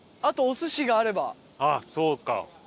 ああそうか。